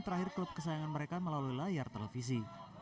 terakhir klub kesayangan mereka melalui layar televisi